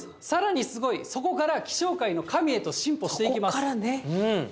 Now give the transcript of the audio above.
さらにすごい、そこから気象界の神へと進歩していきます。